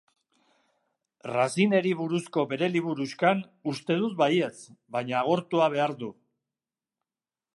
Racineri buruzko bere liburuxkan, uste dut baietz, baina agortua behar du.